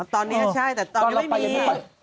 อ๋อตอนนี้ใช่แต่ตอนนี้ไม่มีตอนเราไปยังไม่ค่อย